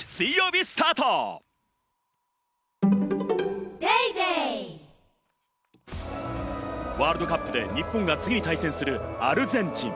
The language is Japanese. ニトリワールドカップで日本が次に対戦するアルゼンチン。